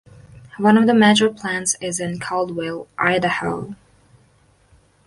One of the major plants is in Caldwell, Idaho.